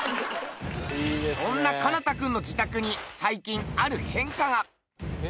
そんな奏汰君の自宅に最近ある変化が。